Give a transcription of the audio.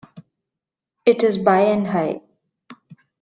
It is by and high.